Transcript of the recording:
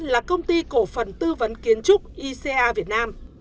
là công ty cổ phần tư vấn kiến trúc ica việt nam